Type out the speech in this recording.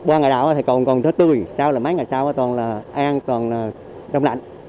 qua ngày đầu thì còn thơ tươi sau là mấy ngày sau toàn là an toàn là trong lạnh